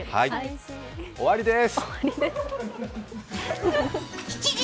終わりです！